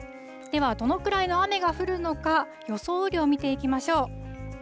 では、どのくらいの雨が降るのか、予想雨量、見ていきましょう。